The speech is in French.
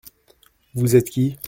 Vous êtes qui ?